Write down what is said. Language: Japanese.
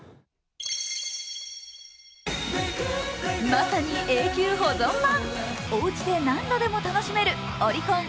まさに永久保存版、おうちで何度でも楽しめるオリコン